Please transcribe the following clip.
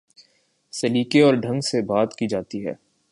سلیقے اور ڈھنگ سے بات کی جاتی ہے۔